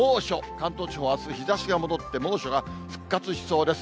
関東地方、あす、日ざしが戻って、猛暑が復活しそうです。